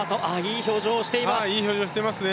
いい表情をしています。